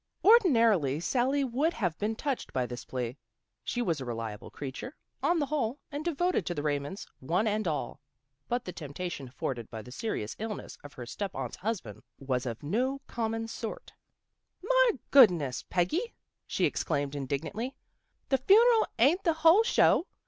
Ordinarily Sally would have been touched by this plea. She was a reliable creature, on the whole, and devoted to the Raymonds, one and all. But the temptation afforded by the serious illness of her step aunt's husban'd was of no common sort. 222 THE GIRLS OF FRIENDLY TERRACE " My goodness, Miss Peggy! " she exclaimed indignantly. " The fun'rel ain't the whole show.